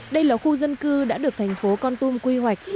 đây là khu dân cư đã được thành phố con tum quy hoạch